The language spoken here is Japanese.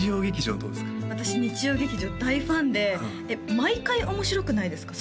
私日曜劇場大ファンでえっ毎回面白くないですか？